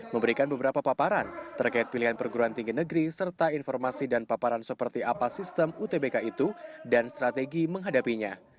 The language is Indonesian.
memberikan beberapa paparan terkait pilihan perguruan tinggi negeri serta informasi dan paparan seperti apa sistem utbk itu dan strategi menghadapinya